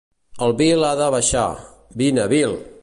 El Bill ha de baixar. Vine, Bill!